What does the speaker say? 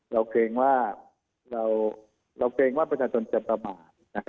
เราเกรงว่าประชาชนจะประมาณ